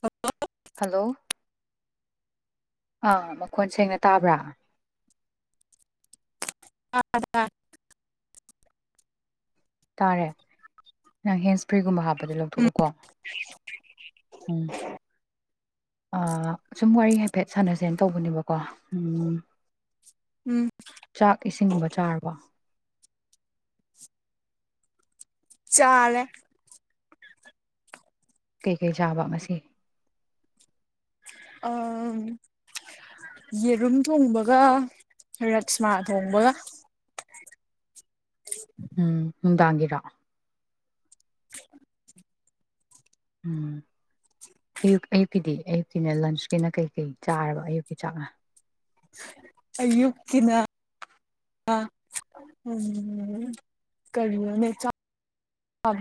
ꯍꯜꯣ hello ꯑꯥ ꯃꯈꯣꯟ ꯁꯦꯡꯅ ꯇꯥꯕ꯭ꯔꯥ ꯑ ꯇꯥꯔꯦ ꯅꯪ ꯍꯦꯟꯁ꯭ꯄ꯭ꯔꯦꯒꯨꯝꯕ ꯍꯥꯞꯄ ꯗꯤ ꯎꯝ ꯂꯧꯊꯣꯛꯎꯀꯣ ꯎꯝ ꯁꯨꯝ ꯋꯥꯔꯤ ꯍꯥꯏꯐꯦꯠ ꯁꯥꯟꯅꯁꯦꯅ ꯇꯧꯕꯅꯦꯕꯀꯣ ꯎꯝ ꯎꯝ ꯆꯥꯛ ꯏꯁꯤꯡꯒꯨꯝꯕ ꯆꯥꯔꯕ ꯆꯔ ꯀꯩꯀꯩ ꯆꯥꯕ ꯉꯁꯤ ꯑ ꯌꯦꯔꯨꯝ ꯊꯣꯡꯕꯒ ꯔꯁꯃꯥ ꯊꯣꯡꯕꯒ ꯎꯝ ꯅꯨꯡꯗꯥꯡꯒꯤꯔꯣ ꯎꯝ ꯑꯌꯨꯛ ꯑꯌꯨꯛꯀꯤꯗꯤ ꯑꯌꯨꯛꯀꯤꯅ ꯂꯟꯁꯀꯤꯅ ꯀꯩꯀꯩ ꯆꯥꯔꯕ ꯑꯌꯨꯛꯀꯤ ꯆꯥꯛꯅ ꯀ ꯌꯨꯀꯤꯅ ꯑ ꯎꯝ ꯀ ꯆ ꯍꯥꯣ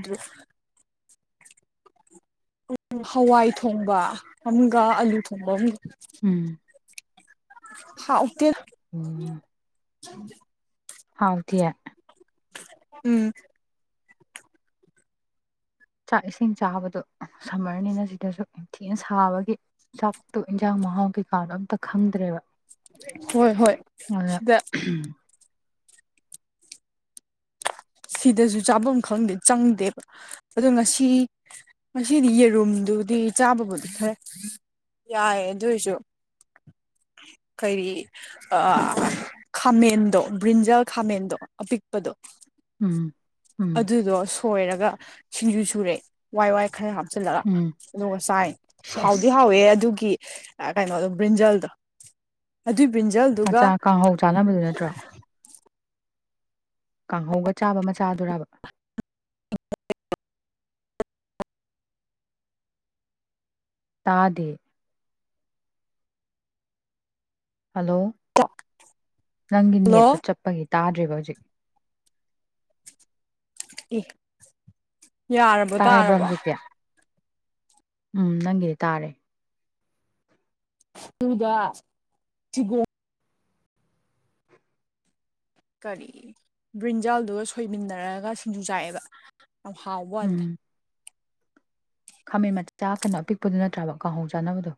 ꯎꯝ ꯍꯋꯥꯏ ꯊꯣꯡꯕ ꯑꯃꯒ ꯑꯂꯨ ꯊꯣꯡꯕ ꯑꯃꯒ ꯎꯝ ꯍꯥꯎ ꯎꯛꯇ ꯍꯥꯎꯗꯤꯦ ꯎꯝ ꯆꯥꯛ ꯏꯁꯤꯡ ꯆꯥꯕꯗ ꯁꯝꯃꯔꯅꯤꯅ ꯁꯤꯗꯁꯨ ꯌꯥꯝ ꯊꯤꯅ ꯁꯥꯕꯒꯤ ꯆꯥꯛꯇꯨ ꯏꯟꯖꯥꯡ ꯃꯍꯥꯎ ꯀꯩꯀꯥꯅꯣ ꯑꯝꯇ ꯈꯪꯗ꯭ꯔꯦꯕ ꯍꯣꯏ ꯍꯣꯏ ꯑꯗꯨꯅ ꯁꯤꯗ ꯁꯤꯗꯁꯨ ꯆꯥꯐꯝ ꯈꯪꯗꯦ ꯆꯪꯗꯦꯕ ꯑꯗꯣ ꯉꯁꯤ ꯉꯁꯤꯗꯤ ꯌꯦꯔꯨꯝꯗꯨꯗꯤ ꯆꯥꯕꯕꯨꯗꯤ ꯐꯔꯦ ꯌꯥꯏ ꯑꯗꯨꯏꯁꯨ ꯀꯔꯤ ꯈꯥꯃꯦꯟꯗꯣ ꯕ꯭ꯔꯤꯟꯖꯜ ꯈꯥꯃꯦꯟꯗꯣ ꯑꯄꯤꯛꯄꯗꯣ ꯎꯝ ꯎꯝ ꯎꯝ ꯑꯗꯨꯗꯣ ꯁꯣꯏꯔꯒ ꯁꯤꯡꯖꯨ ꯁꯨꯔꯦ ꯋꯥꯏ ꯋꯥꯏ ꯈꯔ ꯍꯥꯞꯆꯤꯜꯂꯒ ꯑꯗꯨ ꯉꯁꯥꯏ ꯍꯥꯎꯗꯤ ꯁꯦꯁ ꯍꯥꯎꯋꯦ ꯑꯗꯨꯒꯤ ꯀꯩꯅꯣꯗ ꯕ꯭ꯔꯤꯟꯖꯜꯗꯣ ꯑꯗꯨꯏ ꯕ꯭ꯔꯤꯟꯖꯜꯗꯨꯒ ꯃꯆꯥ ꯀꯥꯡꯍꯧ ꯆꯥꯅꯕꯗꯨ ꯅꯠꯇ꯭ꯔꯣ ꯀꯥꯡꯍꯧꯒ ꯆꯥꯕ ꯃꯆꯥꯗꯨꯔꯕ [unintelligible] ꯇꯥꯗꯦ ꯍꯜꯂꯣ ꯅꯪꯒꯤ ꯍꯜꯂꯣ ꯅꯦꯠꯇꯣ ꯆꯠꯄꯒꯤ ꯇꯥꯗ꯭ꯔꯤꯕ ꯍꯧꯖꯤꯛꯀꯤ ꯑꯦ ꯌꯥꯔꯕꯣ ꯇꯥꯔꯕ꯭ꯔꯥ ꯇꯥꯔꯕꯣ ꯍꯧꯖꯤꯛꯇꯤ ꯎꯝ ꯅꯪꯒꯤꯗꯤ ꯇꯥꯔꯦ ꯇꯗ ꯁꯤꯒ ꯀꯔꯤ ꯕ꯭ꯔꯤꯟꯖꯜꯗꯨꯒ ꯁꯣꯏꯃꯤꯟꯅꯔꯒ ꯁꯤꯡꯖꯨ ꯆꯥꯏꯑꯦꯕ ꯌꯥꯝ ꯎꯝ ꯍꯥꯎꯕꯗ ꯈꯥꯃꯦꯟ ꯃꯆꯥ ꯀꯩꯅꯣ ꯑꯄꯤꯛꯄꯗꯨ ꯅꯠꯇ꯭ꯔꯕ ꯀꯥꯡꯍꯣꯡ ꯆꯥꯅꯕꯗꯣ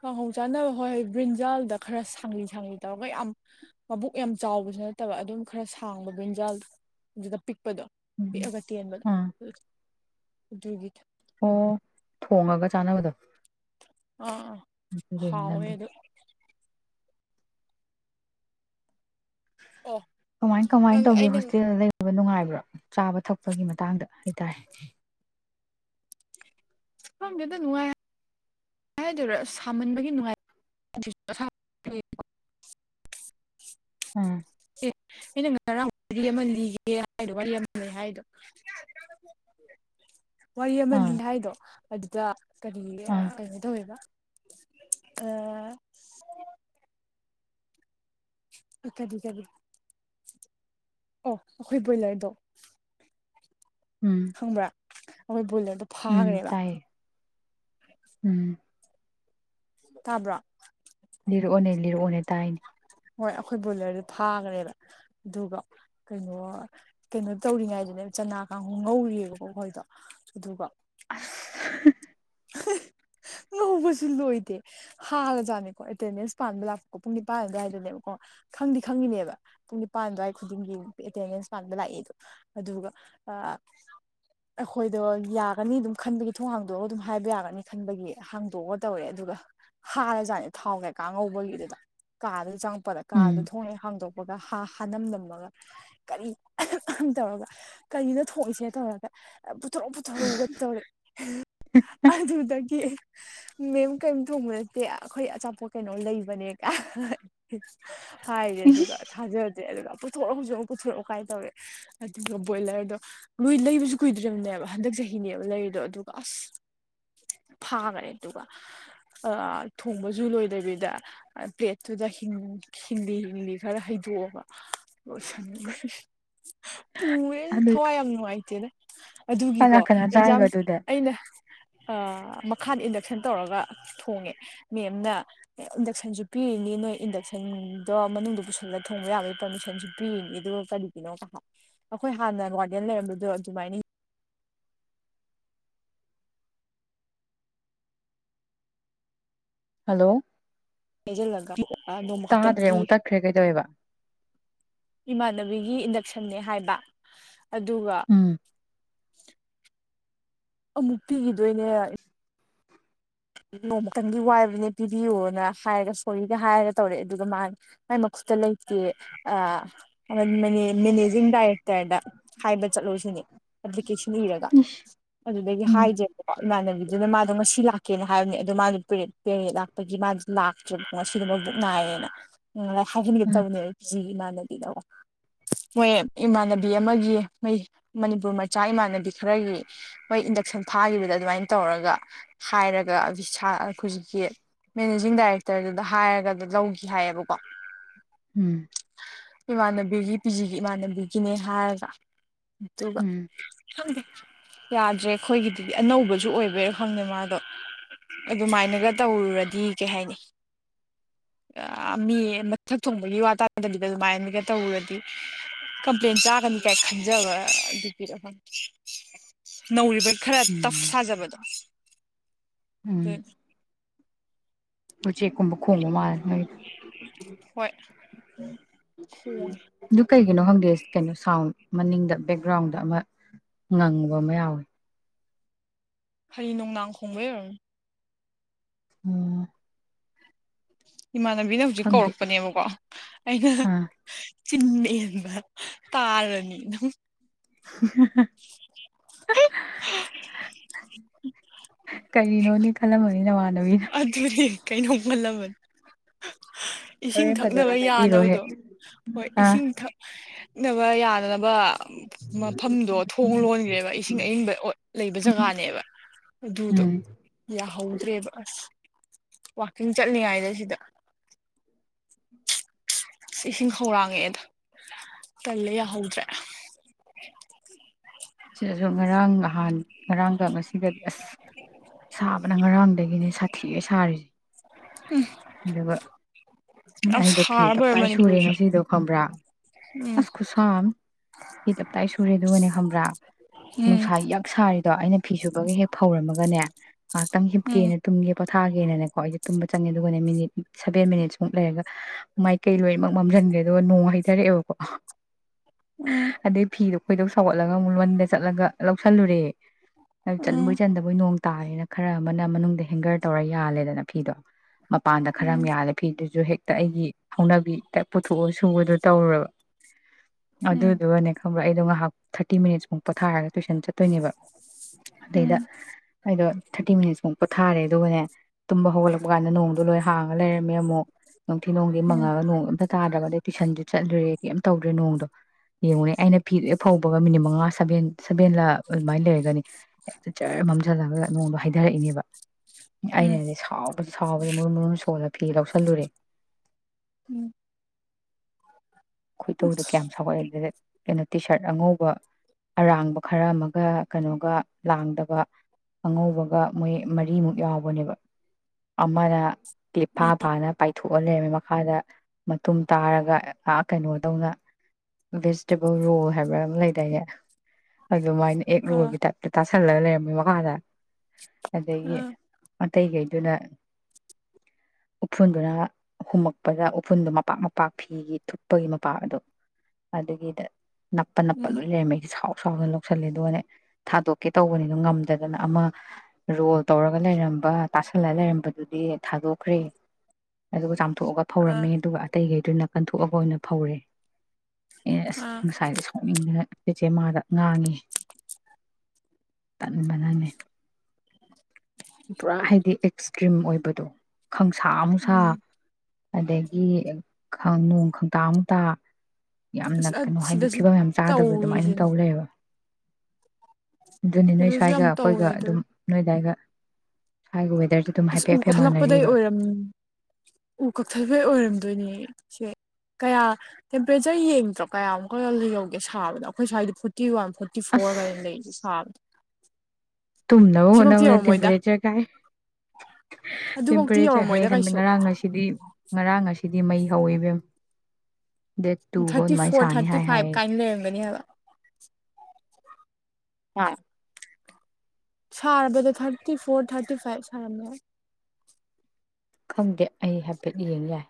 ꯀꯥꯡꯍꯣꯡ ꯆꯥꯅꯕ ꯍꯣꯏ ꯍꯣꯏ ꯕ꯭ꯔꯤꯟꯖꯥꯜꯗ ꯈꯔ ꯁꯥꯡꯂꯤ ꯁꯥꯡꯂꯤ ꯇꯧꯔꯒ ꯌꯥꯝ ꯃꯕꯨꯛ ꯌꯥꯝ ꯆꯥꯎꯕꯁꯨ ꯅꯠꯇꯕ ꯑꯗꯨꯝ ꯈꯔ ꯁꯥꯡꯕ ꯟꯖꯥꯜ ꯑꯗꯨꯗ ꯄꯤꯛꯄꯗꯣ ꯎꯝ ꯑꯥ ꯒꯤ ꯑꯣ ꯊꯣꯉꯒ ꯆꯥꯅꯕꯗꯣ ꯑꯥ ꯑꯗꯨꯗꯨꯅꯤ ꯍꯥꯎꯦ ꯅꯪꯒꯤꯗꯣ ꯑꯗꯨ ꯑꯣ ꯀꯃꯥꯏ ꯀꯃꯥꯏꯅ ꯅꯪ ꯇꯧꯒꯦ ꯑꯩ ꯅꯪ ꯍꯧꯣꯖꯤꯤꯗꯩ ꯐꯕ ꯅꯨꯡꯉꯥꯏꯕ꯭ꯔꯥ ꯆꯥꯕ ꯊꯛꯄꯒꯤ ꯃꯇꯥꯡꯗ ꯍꯥꯏꯇꯥꯔꯦ ꯍ ꯌꯦꯣ ꯅꯅꯨꯡꯉꯥꯏ ꯍꯥꯏꯗꯔꯣ ꯁꯥꯃꯟꯕꯒꯤ ꯅꯨꯡꯉꯥꯏ ꯎꯝ ꯑꯦ ꯑꯩꯅ ꯉ ꯉꯔꯥꯡ ꯑꯃ ꯂꯤꯒꯦ ꯍꯥꯏꯗꯣ ꯋꯥꯔꯤ ꯑꯃ ꯂꯩ ꯍꯥꯏꯗꯣ ꯃꯈꯣꯜ ꯇ꯭ꯗꯤꯌꯦ ꯋꯥꯔꯤ ꯑꯃ ꯂꯤꯟ ꯍꯥꯏꯗꯣ ꯑꯗꯨꯗ ꯀꯔꯤ ꯑꯥ ꯀꯩꯅꯣ ꯇꯧꯋꯦꯕ ꯑ ꯏꯀ ꯏ ꯀ ꯑꯣ ꯑꯈꯣꯏꯕꯣꯏ ꯂꯣꯏꯗꯣ ꯎꯝ ꯈꯪꯕ꯭ꯔꯥ ꯑꯩꯈꯣꯏ ꯕꯨꯂꯦꯠꯇꯣ ꯎꯝ ꯐꯥꯈ꯭ꯔꯦꯕ ꯇꯥꯏꯌꯦ ꯎꯝ ꯇꯥꯕ꯭ꯔꯣ ꯂꯤꯔꯛꯑꯣꯅꯦ ꯂꯤꯔꯛꯑꯣꯅꯦ ꯇꯥꯏꯅꯦ ꯍꯣꯏ ꯑꯩꯈꯣꯏ ꯕꯣꯂꯔꯗꯨ ꯐꯥꯈ꯭ꯔꯦꯕ ꯑꯗꯨꯒ ꯀꯩꯅꯣ ꯀꯩꯅꯣ ꯇꯧꯔꯤꯉꯩꯗꯨꯅꯦ ꯆꯅꯥ ꯀꯥꯡꯍ ꯉꯧꯔꯤꯑꯕꯀꯣ ꯑꯩꯈꯣꯏꯗꯣ ꯑꯗꯨꯒ ꯑꯁ ꯉꯧꯕꯁꯨ ꯂꯣꯏꯗꯦ ꯍꯔ ꯖꯥꯠꯅꯤꯀꯣ ꯑꯦꯇꯦꯟꯗꯦꯟꯁ ꯄꯥꯟꯕ ꯂꯥꯛꯄꯦꯀꯣ ꯄꯨꯡ ꯅꯤꯄꯥꯟ ꯑꯗꯨ ꯑꯗꯨꯋꯥꯏꯗꯅꯦꯕꯀꯣ ꯈꯪꯗꯤ ꯈꯪꯉꯤꯅꯦꯕ ꯄꯨꯡ ꯅꯤꯄꯥꯟ ꯑꯗꯨꯋꯥꯏ ꯈꯨꯗꯤꯡꯒꯤ ꯑꯦꯇꯦꯟꯗꯦꯟꯁ ꯃꯥꯟꯕ ꯂꯥꯛꯏꯗꯣ ꯑꯗꯨꯒ ꯑꯩꯈꯣꯏꯗꯣ ꯌꯥꯒꯅꯤ ꯑꯗꯨꯝ ꯈꯟꯕꯒꯤ ꯊꯣꯡꯒꯥꯡꯗꯣ ꯑꯗꯨꯝ ꯍꯥꯏꯕ ꯌꯥꯒꯅꯤ ꯈꯟꯕꯒꯤ ꯍꯥꯡꯗꯣꯛꯑꯒ ꯇꯧꯔꯦ ꯑꯗꯨꯒ ꯍꯥꯔꯖꯥꯠꯅꯦ ꯊꯥꯎ ꯀꯩꯀꯥ ꯉꯧꯕꯒꯤꯗꯨꯗ ꯀꯥꯗꯨꯗ ꯆꯪꯉꯛꯄꯗ ꯎꯝ ꯀꯥꯗꯨ ꯊꯣꯡ ꯍꯥꯡꯗꯣꯛ ꯄꯒꯥ ꯍꯥ ꯍꯥꯅꯝꯗꯝꯃꯒ ꯀꯔꯤ ꯑꯍꯥꯝ ꯑꯍꯥꯝ ꯇꯧꯔꯒ ꯀꯔꯤꯅꫭ ꯊꯣꯛꯏꯁꯦ ꯇꯧꯔꯒ ꯄꯨꯊꫭꯔꯛꯎ ꯄꯨꯊꯣꯔꯛꯎꯒ ꯇꯧꯔꯦ [unintelligible] ꯑꯗꯨꯗꯒꯤ ꯑꯩ ꯃꯦꯝ ꯀꯔꯤꯝ ꯊꫭꯡꯕ ꯅꯠꯇꯦ ꯑꯩꯈꯣꯏ ꯑꯆꯥꯄꯣꯠ ꯀꯩꯅꯣ ꯂꯩꯕꯅꯦ ꯀꯥꯏ [unintelligible] ꯍꯥꯏꯔꯦ ꯑꯗꯨꯒ ꯊꯥꯖꯗ꯭ꯔꯦ ꯑꯗꯨꯒ ꯄꯨꯊꯣꯛꯑꯣ ꯍꯧꯖꯤꯛ ꯑꯃꯨꯛ ꯄꯨꯊꯣꯔꯛꯑꯣ ꯀꯥꯏꯅ ꯇꯧꯔꯛꯑꯦ ꯑꯗꯨꯒ ꯕꯣꯏꯂꯔꯗꯣ ꯂꯣꯏ ꯂꯩꯕꯁꯨ ꯀꯨꯏꯗ꯭ꯔꯤꯕꯅꯦꯕ ꯍꯟꯗꯛ ꯆꯍꯤꯅꯦꯕ ꯂꯩꯔꯤꯗꯣ ꯑꯗꯨꯒ ꯑꯁ ꯐꯥꯈꯔꯦ ꯑꯗꯨꯒ ꯑꯥ ꯊꯣꯡꯕꯁꯨ ꯂꯣꯏꯗꯕꯤꯗ ꯄ꯭ꯂꯦꯠꯇꯨꯗ ꯍꯤꯡꯂꯤ ꯍꯤꯡꯂꯤ ꯈꯔ ꯍꯩꯗꯣꯛꯑꯕ ꯂꫭꯏꯁꯤꯟꯈꯔꯦ ꯄꯨꯏꯌꯦ ꯑꯗꯨ ꯊꯋꯥꯏ ꯌꯥꯝ ꯅꯨꯡꯉꯥꯏꯇꯦꯗ ꯀꯅꯥ ꯑꯗꯨꯒꯤꯀꯣ ꯅꯥꯀꯟꯅ ꯑꯦꯛꯖꯥꯝ ꯆꯥꯏꯕ ꯑꯗꯨꯗꯤ ꯑꯩꯅ ꯑꯥ ꯃꯈꯥꯗ ꯏꯟꯗꯛꯁꯟ ꯇꯧꯔꯒ ꯊꯣꯡꯉꯦ ꯃꯦꯝꯅ ꯏꯟꯗꯛꯁꯟꯁꯨ ꯄꯤꯔꯤꯅꯤ ꯅꯣꯏ ꯏꯟꯗꯛꯁꯟꯗꯣ ꯃꯅꯨꯡꯗ ꯄꯨꯁꯤꯜꯂꯒ ꯊꯣꯡꯕ ꯌꯥꯕꯒꯤ ꯄꯥꯔꯃꯤꯁꯟꯁꯨ ꯄꯤꯔꯤꯅꯤ ꯑꯗꯨꯒ ꯀꯔꯤꯒꯤꯅꯣꯒ ꯍꯥꯏ ꯑꯩꯈꯣꯏ ꯍꯥꯟꯅ ꯒꯥꯔꯗꯦꯟ ꯂꯩꯔꯝꯕꯗꯣ ꯑꯗꯨꯃꯥꯏꯅ ꯍꯜꯂꯣ ꯂꯩꯩꯁꯤꯜꯂꯒ ꯅꫭꯡꯃꯥ ꯇꯥꯗ꯭ꯔꯦ ꯈꯛꯇꯪꯒꯤ ꯑꯃꯨꯛ ꯇꯠꯈ꯭ꯔꯦ ꯀꯩꯗꯧꯋꯦꯕ ꯏꯃꯥꯟꯅꯕꯤꯒꯤ ꯏꯟꯗꯛꯁꯟꯅꯦ ꯍꯥꯏꯕ ꯑꯗꯨꯒ ꯎꯝ ꯑꯃꯨꯛ ꯄꯤꯈꯤꯗꯣꯏꯅꯦ ꯅꯣꯡꯃꯇꯪꯒꯤ ꯋꯥꯏꯕꯅꯦ ꯄꯤꯕꯤꯌꯣꯅ ꯍꯥꯏꯔꯒ ꯁꯣꯔꯤꯒ ꯍꯥꯏꯔꯒ ꯇꯧꯔꯛꯑꯦ ꯑꯗꯨꯒ ꯃꯥ ꯃꯥꯏ ꯃꯥꯈꯨꯠꯇ ꯂꯩꯇꯦ ꯑꯥ ꯃꯦꯅꯦꯖꯤꯡ ꯗꯥꯏꯔꯦꯛꯇꯔꯗ ꯍꯥꯏꯕ ꯆꯠꯂꯨꯁꯤꯅꯦ ꯑꯦꯄꯂꯤꯀꯦꯁꯟ ꯏꯔꯒ ꯏꯁ ꯑꯗꯨꯗꯒꯤ ꯎꯝ ꯍꯥꯏꯖꯦꯕꯀꯣ ꯏꯃꯥꯟꯅꯕꯤꯗꯨꯅ ꯃꯥꯗꯣ ꯉꯁꯤ ꯂꯥꯛ ꯀꯩꯅ ꯍꯥꯏꯕꯅꯤ ꯑꯗꯨ ꯃꯥꯗꯨ ꯄꯦ ꯄꯦꯔꯦꯠ ꯂꯥꯛꯄꯒꯤ ꯃꯥꯗꯤ ꯂꯥꯛꯇ꯭ꯔꯦꯕꯀꯣ ꯉꯁꯤꯗꯨ ꯃꯕꯨꯛ ꯅꯥꯏꯔꯦꯅ ꯎꯝ ꯍꯥꯏꯍꯟꯒ ꯎꯝ ꯇꯧꯕꯅꯦ ꯄꯨꯖꯤꯒꯤ ꯏꯃꯥꯟꯅꯕꯤꯗꫭ ꯃꯣꯏ ꯏꯃꯥꯟꯅꯕꯤ ꯑꯃꯒꯤ ꯃꯣꯏ ꯃꯅꯤꯄꯨꯔ ꯃꯆꯥ ꯏꯃꯥꯟꯅꯕꯤ ꯈꯔꯒꯤ ꯃꯣꯏ ꯏꯟꯗꯛꯁꯟ ꯐꯥꯈꯤꯕꯗ ꯑꯗꯨꯃꯥꯏꯅ ꯇꯧꯔꯒ ꯍꯥꯏꯔꯒ [unintelligible] ꯍꯧꯖꯤꯛꯀꯤ ꯃꯦꯅꯦꯖꯤꯡ ꯗꯥꯏꯔꯦꯛꯇꯔꯗꯨꯗ ꯍꯥꯏꯔꯒ ꯑꯗꯨ ꯂꯧꯈꯤ ꯍꯥꯏꯌꯦꯕꯀꯣ ꯎꯝ ꯏꯃꯥꯟꯅꯕꯤꯒꯤ ꯄꯤꯖꯤꯒꯤ ꯏꯃꯥꯟꯅꯕꯤꯒꯤꯅꯦ ꯍꯥꯏꯔꯒ ꯑꯗꯨꯒ ꯎꯝ ꯈꯪꯗꯦ ꯌꯥꯗ꯭ꯔꯦ ꯑꯩꯈꯣꯏꯒꯤꯗꯤ ꯑꯅꯧꯕꯁꯨ ꯑꯣꯏꯕꯩꯔ ꯈꯪꯗꯦ ꯃꯥ ꯑꯗꯣ ꯑꯗꯨꯃꯥꯏꯅꯒ ꯇꯧꯔꯨꯔꯗꯤ ꯀꯩ ꯍꯥꯏꯅꯤ ꯃꯤ ꯃꯊꯛ ꯊꯣꯡꯕꯒꯤ ꯋꯥ ꯇꯥꯗꯕꯤꯗ ꯑꯗꯨꯃꯥꯏꯅꯒ ꯇꯧꯔꯨꯔꯗꯤ ꯀꯝꯄ꯭ꯂꯦꯟ ꯆꯥꯒꯅꯤ ꯀꯥꯏ ꯈꯟꯖꯕ ꯑꯗꯨꯒꯤꯔ ꯈꯪ [inaudible] ꯅꯧꯔꯤꯕꯒꯤ ꯈꯔ ꯇꯞ ꯎꯝ ꯁꯥꯖꯕꯗꯣ ꯎꯝ [unintelligible] ꯎꯆꯦꯛꯀꯨꯝꯕ ꯈꯣꯡꯕꯥ ꯃꯥꯜꯂꯤ ꯅꯣꯏꯗꯣ ꯍꯣꯏ ꯈꫭꯡꯑꯦ ꯑꯗꯨ ꯀꯩꯒꯤꯅꯣ ꯈꯪꯗꯦ ꯀꯩꯅꯣ ꯁꯥꯎꯟ ꯃꯅꯤꯡꯗ ꯕꯦꯛꯒ꯭ꯔꯥꯎꯟꯗ ꯑꯃ ꯉꯪꯕ ꯑꯃ ꯌꯥꯎꯋꯦ ꯍꯔꯤ ꯅꯣꯡꯅꯥꯡ ꯈꯣꯡꯕꯒꯤ ꯑꯣꯏꯔꯝꯅꯤ ꯎꯝ ꯏꯃꯥꯟꯅꯕꯤꯅ ꯍꯧꯖꯤꯛ ꯈꯪꯗꯦ ꯀꯧꯔꯛꯄꯅꯦꯕꯀꯣ ꯑꯩꯅ ꯑꯥ ꯆꯤꯟ ꯃꯦꯟꯕ ꯇꯥꯔꯅꯤꯅ ꯍꯥ ꯍꯥ ꯍꯥ [unintelligible] [inaudible] ꯀꯔꯤꯅꯣꯅꯦ ꯈꯜꯂꯝꯃꯅꯤ ꯅꯃꯥꯟ ꯑꯗꯨꯅꯦ ꯀꯩꯅꯣꯃ ꯈꯟꯂꯥꯝꯃꯅꯤ ꯏꯁꯤꯡ ꯍꯣꯔꯦꯟ ꯐꯖꯅ ꯊꯛꯅꯕ ꯍꯥꯏꯕꯤꯔꯣ ꯌꯥꯅꯕꯗꯣ ꯍꯦꯛ ꯍꯣꯏ ꯑꯥ ꯏꯁꯤꯡ ꯊꯛꯅꯕ ꯌꯥ ꯐꯅꯕ ꯃꯐꯝꯗꯣ ꯊꯣꯡ ꯂꯣꯟꯈ꯭ꯔꯦꯕ ꯏꯁꯤꯡ ꯑꯌꯤꯡꯕꯥ ꯂꯩꯕ ꯖꯒꯥꯅꯦꯕ ꯑꯗꯨꯗꯣ ꯎꯝ ꯌꯥꯍꯧꯗ꯭ꯔꯦꯕ ꯑꯁ ꯋꯥꯛꯀꯤꯡ ꯆꯠꯂꯤꯉꯥꯏꯗ ꯁꯤꯗ ꯏꯁꯤꯡ ꯈꯧꯔꯥꯡꯉꯦꯗ ꯇꯜꯂꯦ ꯌꯥꯍꯧꯗ꯭ꯔꯦ ꯁꯤꯗꯁꯨ ꯉꯔꯥꯡ ꯅꯍꯥꯟ ꯉꯔꯥꯡꯒ ꯉꯁꯤꯒꯗꯤ ꯑꯁ ꯁꯥꯕꯅ ꯉꯔꯥꯡꯗꯒꯤꯅꯦ ꯁꯥꯊꯤꯌꯦ ꯁꯥꯔꯤꯁꯦ ꯎꯝ ꯑꯗꯨꯒꯅꯕ ꯑꯩꯗꯣ ꯐꯤ ꯁꯥꯔꯕ ꯑꯣꯏꯔꯦ ꯇꯞꯇꯥꯏ ꯁꯨꯔꯦ ꯃꯅꯤꯄꯨꯔꯁꯦ ꯉꯁꯤꯗꯣ ꯈꯪꯕ꯭ꯔꯥ ꯎꯝ ꯑꯁ ꯈꯨꯁꯥ ꯑꯥꯥ ꯐꯤ ꯇꯞꯇꯥꯏ ꯁꯨꯔꯦ ꯑꯗꯨꯒꯅꯦ ꯈꯪꯕ꯭ꯔꯥ ꯎꯝ ꯅꯨꯡꯁꯥ ꯌꯛ ꯁꯥꯔꯤꯗꯣ ꯑꯩꯅ ꯐꯤ ꯁꯨꯕꯒ ꯍꯦꯛ ꯐꯧꯔꯝꯃꯒꯅꯦ ꯉꯥꯏꯍꯥꯛꯇꯪ ꯎꯝ ꯍꯤꯞꯀꯦꯅ ꯇꯨꯝꯒꯦ ꯄꯣꯊꯥꯒꯦꯅꯅꯦꯀꯣ ꯑꯩꯁꯦ ꯇꯨꯝꯕ ꯆꯪꯉꯦ ꯑꯗꯨꯒꯅꯦ ꯃꯤꯅꯤꯠ ꯁꯚꯦꯟ ꯃꯤꯅꯤꯠ ꯑꯃꯨꯛ ꯂꯩꯔꯒ ꯃꯥꯏꯀꯩ ꯂꯣꯏꯅꯃꯛ ꯃꯝꯁꯤꯟꯒꯔꯦ ꯑꯗꯨꯒ ꯅꯣꯡ ꯍꯩꯊꯔꯛꯑꯦꯕꯀꯣ ꯎꯝ ꯑꯗꯩ ꯐꯤꯗꯣ ꯈꯣꯏꯗꯧ ꯁꯥꯎꯒꯠꯂꯒ ꯑꯃꯨꯛ ꯂꯟꯗ ꯆꯠꯂꯒ ꯂꯧꯁꯜꯂꯨꯔꯦ ꯎꯝ ꯆꯟꯕꯣꯏ ꯆꯟꯗꯕ ꯑꯩꯈꯣꯏ ꯅꯣꯡ ꯇꯥꯔꯦꯅ ꯈꯔ ꯑꯃꯅ ꯃꯅꯨꯡꯗ ꯍꯦꯡꯒꯔ ꯇꯧꯔ ꯌꯥꯜꯂꯦꯗꯅ ꯐꯤꯗꯣ ꯃꯄꯥꯟꯗ ꯈꯔ ꯎꯝ ꯑꯃ ꯌꯥꯜꯂꯦ ꯐꯤꯗꯨꯁꯨ ꯍꯦꯛꯇ ꯑꯩꯒꯤ ꯍꯧꯅꯕꯤ ꯄꯨꯊꯣꯛꯑ ꯁꯨꯕꯗꯣ ꯇꯧꯔꯨꯔꯥꯕ ꯎꯝ ꯑꯗꯨꯗꯨꯒꯅꯦ ꯈꯪꯕꯔ ꯑꯩꯗꯣ ꯉꯥꯏꯍꯥꯛ ꯊꯥꯔꯇꯤ ꯃꯤꯅꯨꯠꯃꯨꯛ ꯄꯣꯊꯔꯒ ꯇꯨꯏꯁꯟ ꯆꯠꯂꯦ ꯆꯠꯇꯣꯏꯅꯦꯕ ꯑꯗꯩꯗ ꯎꯝ ꯑꯩꯗꯣ ꯊꯥꯔꯇꯤ ꯃꯤꯅꯤꯠꯁꯃꯨꯛ ꯄꯣꯊꯥꯔꯦ ꯑꯗꯨꯒꯅꯦ ꯇꯨꯝꯕ ꯍꯧꯒꯠꯂꯛꯄ ꯀꯥꯟꯗ ꯅꯣꯡ ꯂꯣꯏ ꯍꯥꯡꯉꯒ ꯂꯩꯔꯝꯃꯦ ꯑꯃꯨꯛ ꯅꯨꯡꯊꯤ ꯅꯨꯡꯗꯤ ꯎꯝ ꯃꯪꯉꯒ ꯅꯣꯡ ꯑꯝ ꯇꯥꯗ꯭ꯔꯕ ꯑꯗꯩ ꯇꯨꯏꯁꯟꯁꯨ ꯆꯠꯂꯨꯔꯦ ꯀꯩꯝꯇ ꯇꯧꯗ꯭ꯔꯦ ꯅꯣꯡꯗꯣ ꯌꯦꯡꯉꯨꯅꯦ ꯑꯩꯅ ꯐꯤꯗꯣ ꯍꯦꯛ ꯐꯧꯕꯒ ꯃꯤꯅꯤꯠ ꯃꯉꯥ ꯁꯕꯦꯟ ꯁꯕꯦꯟꯂ ꯑꯗꯨꯃꯥꯏꯅ ꯂꯩꯔꯒꯅꯤ ꯍꯦꯛꯇ ꯖꯔꯥ ꯃꯝꯖꯂꯒ ꯅꯣꯡꯗꯣ ꯍꯥꯏꯊꯔꯛꯏꯅꯦꯕ ꯎꯝ ꯑꯩꯅꯅꯤ ꯁꯥꯎꯕꯗ ꯁꯥꯎꯔꯒ ꯃꯔꯨꯝ ꯃꯔꯨꯝ ꯁꯣꯜꯂ ꯐꯤ ꯂꯧꯁꯜꯂꯨꯔꯦ ꯎꯝ ꯈꯣꯏ ꯇꯧꯗꯣ ꯀꯌꯥꯝ ꯁꯥꯎꯒꯠꯂꯦ ꯑꯗꯨꯗ ꯀꯩꯅꯣ ꯇꯤ ꯁꯥꯔꯠ ꯑꯉꯧꯕ ꯑꯔꯥꯡꯕ ꯈꯔ ꯑꯃꯒ ꯀꯩꯅꯣꯒ ꯂꯥꯡꯗꯕ ꯑꯉꯧꯕꯒ ꯃꯣꯏ ꯃꯔꯤꯃꯨꯛ ꯌꯥꯎꯕꯅꯦꯕ ꯑꯃꯅ ꯇꯐꯥ ꯎꯝ ꯐꯥꯅ ꯄꯥꯏꯊꯣꯛꯑ ꯂꯩꯔꯝꯃꯦ ꯃꯈꯥꯗ ꯃꯇꯨꯝ ꯇꯥꯔꯒ ꯉꯍꯥꯛ ꯀꯩꯅꯣ ꯇꯧꯅ ꯚꯦꯖꯤꯇꯦꯕꯜ ꯔꯣꯜ ꯍꯥꯏꯕ ꯑꯃ ꯂꯩꯗꯥꯌꯦꯅꯦ ꯑꯗꯨꯃꯥꯏꯅ ꯑꯦꯛ ꯑ ꯂꯨꯕꯒꯤ ꯇꯥꯏꯞꯇ ꯇꯥꯁꯜꯂꯒ ꯂꯩꯔꯝꯃꯦ ꯃꯈꯥꯗ ꯑꯗꯒꯤ ꯑ ꯑꯇꯩꯈꯩꯗꯨꯅ ꯎꯐꯨꯟꯗꯨꯅ ꯍꯨꯝꯃꯛꯄꯗ ꯎꯐꯨꯟꯗꯨꯣ ꯃꯄꯥꯛ ꯃꯄꯥꯛ ꯐꯤꯒꯤ ꯅꯞꯄꯒꯤ ꯃꯄꯥ ꯑꯗꯣ ꯑꯗꯨꯒꯤꯗ ꯅꯞꯄ ꯅꯞꯄ ꯎꯝ ꯂꯣꯏ ꯂꯩꯔꯝꯃꯦꯩꯁꯦ ꯁꯥꯎ ꯁꯥꯎꯅ ꯂ ꯇꯧꯁꯜꯂꯦꯗꯣꯅꯦ ꯊꯥꯗꯣꯛꯀꯦ ꯇꯧꯕꯅꯤꯅꯣ ꯉꯝꯗꯗꯅ ꯑꯃ ꯔꯣꯜ ꯇꯧꯔꯒ ꯂꯩꯔꯝꯕ ꯇꯥꯁꯜꯂ ꯂꯩꯔꯝꯕꯗꯨꯗꯤ ꯊꯥꯗꯣꯛꯈ꯭ꯔꯦ ꯑꯗꯨꯒ ꯆꯥꯝꯊꯣꯛꯑꯒ ꯐꯧꯔꯝꯃꯦ ꯑ ꯑꯗꯨꯒ ꯑꯇꯩꯈꯩꯗꯨꯅ ꯀꯟꯊꯣꯛꯑꯒ ꯑꯣꯏꯅ ꯐꯧꯔꯦ ꯑꯦ ꯑꯁ ꯑ ꯉꯁꯥꯏꯗ ꯁꯣꯛꯅꯤꯡꯗꯅ ꯁꯤꯁꯦ ꯃꯥꯗ ꯉꯥꯡꯉꯤ ꯇꯟꯕꯅꯃꯤ ꯄꯨꯔꯥ ꯍꯥꯏꯗꯤ ꯑꯦꯛꯁꯇ꯭ꯔꯤꯝ ꯑꯣꯏꯕꯗꯣ ꯈꯪꯁꯥ ꯑꯃꯨꯁꯥ ꯎꯝ ꯑꯗꯒꯤ ꯅꯣꯡ ꯇꯥ ꯑꯃꯨꯛ ꯇꯥ ꯌꯥꯝꯅ ꯑꯁ ꯀꯩꯅꯣ ꯍꯥꯏꯗꯤ ꯁꯤꯗꯁꯨ ꯐꯤꯕꯝ ꯌꯥꯝ ꯆꯥꯗꯕꯗ ꯑꯗꯨꯃꯥꯏꯅ ꯇꯧꯔꯤꯁꯤꯅꯦ ꯇꯧ ꯂꯩꯕ ꯑꯗꯨꯅꯤ ꯅꯣꯏ ꯑꯗꯨꯁꯨ ꯌꯥꯝ ꯁ꯭ꯋꯥꯏꯒ ꯇꯧꯋꯦ ꯑꯩꯈꯣꯏꯒ ꯑꯗꯨ ꯑꯗꯨꯝ ꯅꯣꯏ ꯑꯗꯨꯋꯥꯏꯒ ꯁ꯭ꯋꯥꯏꯒ ꯑꯣꯏ ꯑꯁ ꯎ ꯀꯛꯊꯠꯂꯛꯄꯗꯩ ꯑꯣꯏꯔꯝ ꯎ ꯀꯛꯊꯠꯄꯩ ꯑꯣꯏꯔꯝꯗꯣꯏꯅꯦ ꯁꯦ ꯀꯌꯥ ꯇꯦꯝꯄꯔꯦꯆꯔ ꯌꯦꯡꯗ꯭ꯔꯣ ꯀꯌꯥꯃꯨꯛꯀ ꯌꯧꯒꯦ ꯁꯥꯕꯗ ꯑꯩꯈꯣꯏ ꯁ꯭ꯋꯥꯏꯗꯤ ꯐꯣꯔꯇꯤ ꯋꯥꯟ ꯐꯣꯔꯇꯤ ꯐꯣꯔ ꯑꯁ ꯀ ꯂꯩ ꯁꯥꯕ ꯇꯨꯝꯅꯕꯨ ꯍꯅ ꯃꯅ ꯇꯦꯦꯝꯄꯔꯦꯆꯔ ꯀꯥꯏ ꯑꯗꯨꯐꯧꯇꯤ ꯇꯦꯝꯄꯔꯦꯆꯔ ꯍꯩ ꯌꯧꯔꯝꯃꯣꯏꯗ ꯍꯟ ꯀꯩꯁꯨ ꯉꯔꯥꯡ ꯑꯁꯤꯗꯤ ꯉꯔꯥꯡ ꯑꯁꯤꯗꯤ ꯃꯩ ꯍꯧꯋꯤꯕꯦꯝ ꯗꯦꯠ ꯇꯨꯐꯧ ꯑꯗꯨꯃꯥꯏꯅ ꯁꯥꯅꯤ ꯍꯥꯏ ꯍꯥꯏꯌꯦꯦ ꯏꯟꯅꯕꯅꯤꯗ ꯍ ꯁꯥꯔꯕꯗ ꯊꯥꯔꯇꯤ ꯐꯣꯔ ꯊꯥꯔꯇꯤ ꯐꯥꯏꯚ ꯁꯥꯔꯝꯃꯦ ꯈꯪꯗꯦ ꯑꯩ ꯍꯥꯏꯐꯦꯠ ꯌꯦꯡ ꯌꯥꯏ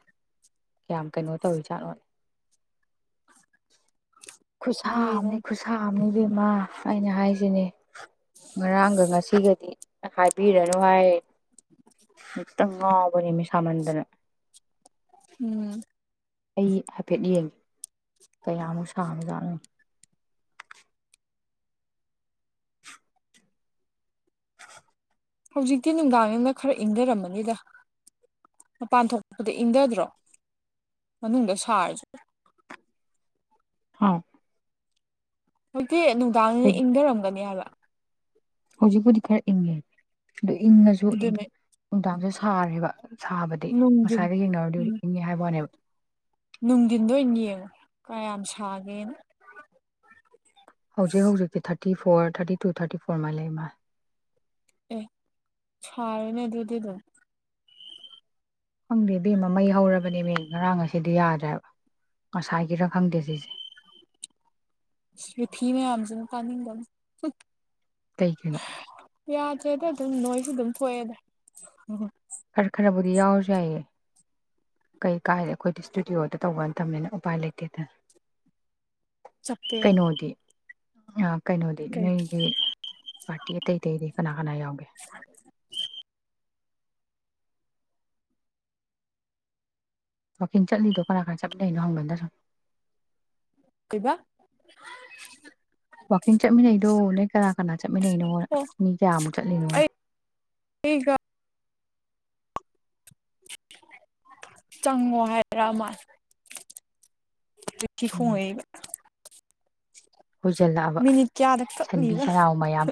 ꯀꯌꯥꯝ ꯀꯩꯅꯣ ꯇꯧꯔꯤꯖꯥꯠꯅꯣ ꯌꯦꯡꯉꯣ ꯈꯨꯠꯁꯥꯝꯅꯤ ꯑꯝꯇ ꯈꯨꯠꯁꯥꯝꯅꯤ ꯕꯦꯝꯃꯥ ꯑꯩꯅ ꯍꯥꯏꯁꯤꯅꯦ ꯉꯔꯥꯡꯒ ꯉꯁꯤꯒꯗꯤ ꯍꯥꯏꯕꯤꯔꯅꯨ ꯍꯥꯏ ꯑꯃꯇꯪ ꯉꯥꯎꯕꯅꯦ ꯃꯤꯁꯥꯃꯟꯗꯅ ꯎꯝ ꯑꯩ ꯍꯥꯏꯐꯦꯠ ꯌꯦꯡꯒꯦ ꯀꯌꯥꯃꯨꯛ ꯁꯥꯅ ꯆꯥꯠꯅꯨꯅꯤ ꯍꯧꯖꯤꯛꯇꯤ ꯅꯨꯡꯗꯥꯡ ꯌꯗ ꯈꯔ ꯏꯪꯊꯔꯃꯅꯤꯗ ꯃꯄꯥꯟ ꯊꯣꯛꯄꯄꯗ ꯏꯪꯊꯗ꯭ꯔꯣ ꯃꯅꯨꯡꯗ ꯁꯥꯔꯁꯨ ꯍꯥꯎ ꯍꯧꯖꯤꯛꯇꯤ ꯅꯨꯡꯗꯥꯡꯁꯤꯅ ꯏꯪꯊꯔꯝꯒꯅꯤ ꯍꯥꯏꯕ ꯍꯧꯖꯤꯛꯄꯨꯗꯤ ꯈꯔ ꯏꯪꯉꯦ ꯑꯣ ꯏꯪꯉꯁꯨ ꯑꯗꯨꯝ ꯑꯗꯨꯅ ꯅꯨꯡꯗꯥꯡꯁꯨ ꯁꯥꯔꯦꯕ ꯁꯥꯕꯗꯤ ꯅꯨꯡꯊꯤꯟ ꯉꯁꯥꯏꯒ ꯌꯦꯡꯅꯔꯗꯤ ꯎꯝ ꯏꯪꯉꯦ ꯍꯥꯏꯕ ꯋꯥꯅꯦꯕ ꯅꯨꯡꯊꯤꯟꯗ ꯑꯣꯏꯅ ꯌꯦꯡꯉꯣ ꯀꯌꯥꯝ ꯁꯥꯒꯦꯅ ꯍꯧꯖꯤꯛ ꯍꯧꯖꯤꯛꯇꯤ thirty four thirty two thirty four ꯃꯥꯥꯏ ꯂꯩ ꯃꯥꯥꯏ ꯑꯦ ꯁꯥꯔꯣꯏꯅꯦ ꯑꯗꯨꯗꯤ ꯑꯗꯨꯝ ꯈꯪꯗꯦ ꯃꯃꯩ ꯍꯧꯔꯕꯅꯦ ꯃꯤ ꯉꯔꯥꯡ ꯉ ꯑꯁꯤꯗꯤ ꯌꯥꯗ꯭ꯔꯦꯕ ꯉꯁꯥꯏꯒꯤꯔ ꯈꯪꯗꯦ ꯁꯤꯁꯦ ꯔꯤꯊꯤ ꯃꯌꯥꯝꯁꯤꯅ ꯇꯥꯅꯤꯡꯕꯅꯤ ꯇꯩꯀꯅ ꯌꯥꯗ꯭ꯔꯦꯗ ꯑꯗꯨꯝ ꯅꯣꯏꯁꯨ ꯑꯗꯨꯝ ꯊꯣꯛꯑꯦꯗ ꯎ ꯈꯔ ꯈꯔꯕꯨꯗꯤ ꯌꯥꯎꯖꯩꯌꯦ ꯀꯩ ꯀꯥꯏꯗ ꯑꯩꯈꯣꯏꯗꯤ ꯏꯁꯇꯨꯗꯤꯑꯣꯗ ꯇꯧꯕꯅ ꯊꯝꯃꯦꯅ ꯎꯄꯥꯏ ꯂꯩꯇꯦꯗꯅ ꯆꯞꯄꯦ ꯀꯩꯅꯣꯗꯤ ꯑ ꯀꯩꯅꯣꯗꯤ ꯀꯩ ꯅꯣꯏꯒꯤ ꯄꯥꯔꯇꯤ ꯑꯇꯩ ꯑꯇꯩꯗꯤ ꯀꯅꯥ ꯀꯅꯥ ꯌꯥꯎꯒꯦ ꯋꯥꯋꯥꯛꯡ ꯆꯠꯂꯤꯗꯣ ꯀꯅꯥ ꯀꯅꯥ ꯆꯠꯅꯣꯪꯟꯗ꯭ꯔ ꯀꯕ ꯋꯥꯛꯀꯤꯡ ꯆꯠꯃꯤꯟꯅꯩꯗꯣ ꯅꯣꯏ ꯀꯅꯥ ꯀꯅꯥ ꯆꯠꯃꯤꯟꯅꯩꯅꯣ ꯑꯣ ꯃꯤ ꯀꯌꯥꯃꯨꯛ ꯆꯠꯂꯤꯅꯣ ꯑꯩ [unintelligible] ꯆꯪꯉꯣ ꯍꯥꯏꯔꯥ ꯃꯥꯜ ꯍ ꯎꯝ ꯈꯨꯡꯉꯩ [unintelligible] ꯍꯖꯤꯜꯂꯛꯑꯕ ꯃꯤꯅꯤꯠ ꯀꯌꯥꯗ ꯁꯟꯕꯤ ꯀꯛꯅꯤꯕ ꯁꯟꯅꯥꯎ ꯃꯌꯥꯝ